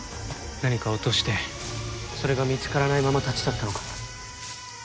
何かを落としてそれが見つからないまま立ち去ったのかも。